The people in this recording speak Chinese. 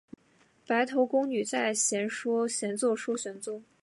白头宫女在，闲坐说玄宗。